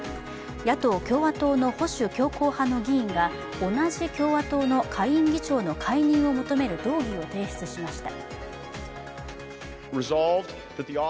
野党・共和党の保守強硬派の議員が同じ共和党の下院議長の解任を求める動議を提出しました。